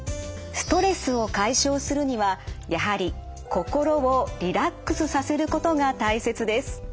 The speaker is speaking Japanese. ストレスを解消するにはやはり心をリラックスさせることが大切です。